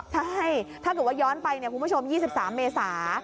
ใช่ถ้าเกิดว่าย้อนไปคุณผู้ชม๒๓เมษา